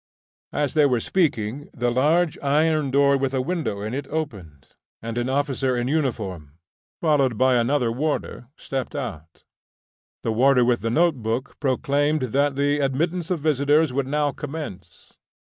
As they were speaking, the large iron door with a window in it opened, and an officer in uniform, followed by another warder, stepped out. The warder with the notebook proclaimed that the admittance of visitors would now commence.